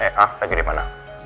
eh ah lagi dimana